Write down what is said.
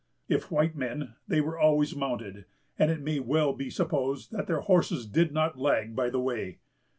If white men, they were always mounted; and it may well be supposed that their horses did not lag by the way.